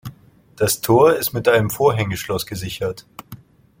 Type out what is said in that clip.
Das Tor ist mit einem Vorhängeschloss gesichert.